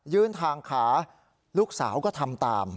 ยืนทางขาลูกสาวก็ทำตาม